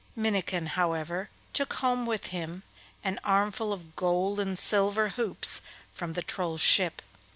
Minnikin, however, took home with him an armful of gold and silver hoops from the Troll's ship.